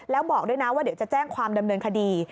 แล้วบอกด้วยนะว่าเดี๋ยวจะแจ้งความดำเนินคดี